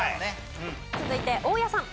続いて大家さん。